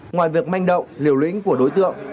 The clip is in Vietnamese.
ngoài việc manh động liều lĩnh của đối tượng